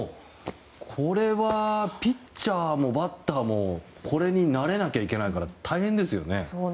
これは、ピッチャーもバッターもこれに慣れなきゃいけないから大変ですよね。